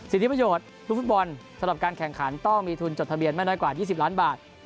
สิทธิประโยชน์ลูกฟุตบอลสำหรับการแข่งขันต้องมีทุนจดทะเบียนไม่น้อยกว่า๒๐ล้านบาท